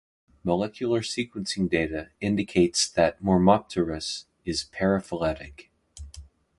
Molecular sequencing data indicates that "Mormopterus" is paraphyletic.